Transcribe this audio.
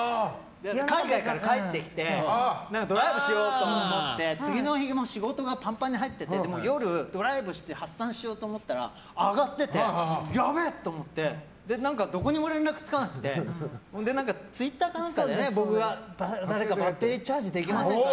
海外から帰ってきてドライブしようと思って次の日、仕事がぱんぱんに入ってて夜、ドライブして発散しようと思ったら上がってて、やべえと思ってどこにも連絡がつかなくてツイッターか何かで誰かバッテリーをチャージできませんか？